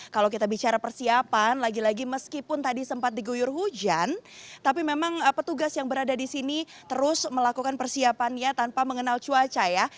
kalau kita bicara persiapan lagi lagi meskipun tadi sempat diguyur hujan tapi memang petugas yang berada di sini terus melakukan persiapannya tanpa mengenal cuaca ya